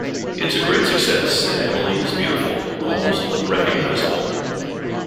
It's a great success and Emily is beautiful, almost unrecognizable.